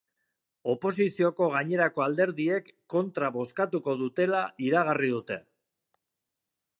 Oposizioko gainerako alderdiek kontra bozkatuko dutela iragarri dute.